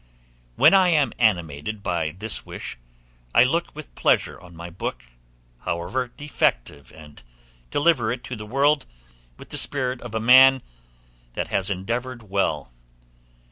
When I am animated by this wish, I look with pleasure on my book, however defective, and deliver it to the world with the spirit of a man that has endeavored well.